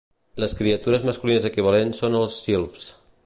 Les criatures masculines equivalents són els silfs.